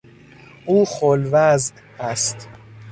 او خل وضع است.